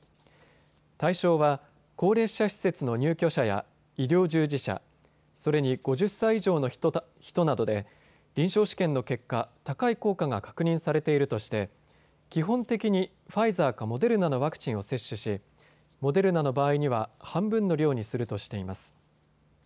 対象は高齢者施設の入居者や医療従事者、それに５０歳以上の人などで臨床試験の結果、高い効果が確認されているとして基本的にファイザーかモデルナのワクチンを接種しモデルナの場合には半分の量にするとしています。